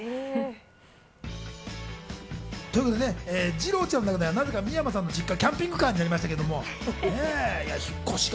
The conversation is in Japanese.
じろうちゃんの中でなぜか美山さんの実家、キャンピングカーになりましたけど。